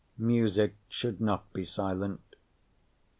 Music should not be silent.